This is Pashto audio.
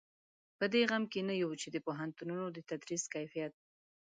په دې غم کې نه یو چې د پوهنتونونو د تدریس کیفیت.